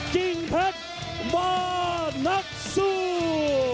ยิ่งเพชรบ้านนักสู้